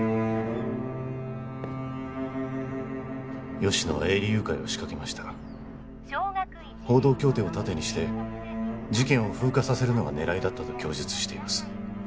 吉乃は営利誘拐を仕掛けました報道協定を盾にして事件を風化させるのが狙いだったと供述しています